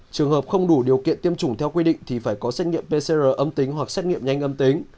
trường hợp không đủ điều kiện tiêm chủng theo quy định thì phải có xét nghiệm pcr âm tính hoặc xét nghiệm nhanh âm tính